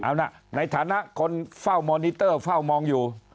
เอานะในฐานะคนเฝ้ามอนิเตอร์เฝ้ามองอยู่